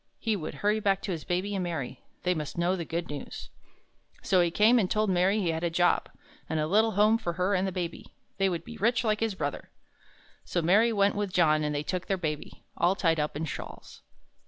He would hurry back to his Baby and Mary. They must know the good news. So he came and told Mary he had a job, and a little home for her and the Baby. They would be rich like his brother. So Mary went with John and they took their Baby, all tied up in shawls.